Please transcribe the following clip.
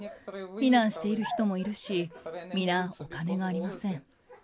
避難している人もいるし、皆、お金がありません。